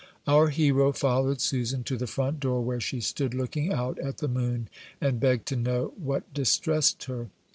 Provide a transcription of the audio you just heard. Our hero followed Susan to the front door, where she stood looking out at the moon, and begged to know what distressed her.